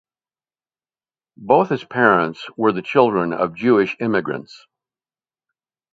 Both his parents were the children of Jewish immigrants.